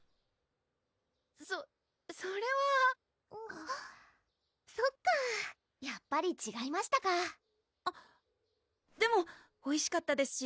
そそれはそっかやっぱりちがいましたかあっでもおいしかったですし